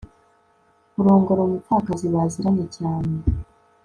kurongora umupfakazi baziranye cyane